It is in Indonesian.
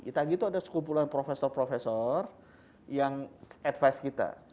itagi itu ada sekumpulan profesor profesor yang advice kita